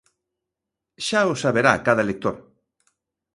Xa o saberá cada lector.